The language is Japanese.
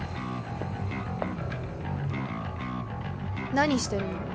何してるの？